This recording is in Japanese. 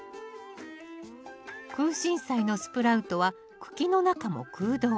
クウシンサイのスプラウトは茎の中も空洞。